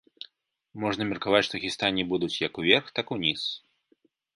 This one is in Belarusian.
Можна меркаваць, што хістанні будуць як уверх, так ўніз.